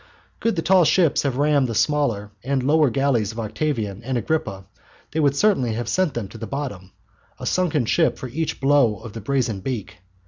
Could the tall ships have rammed the smaller and lower galleys of Octavian and Agrippa they would certainly have sent them to the bottom a sunken ship for each blow of the brazen beak.